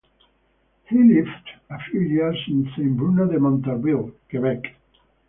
He lived a few years in Saint-Bruno-de-Montarville, Quebec.